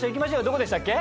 どこでしたっけ？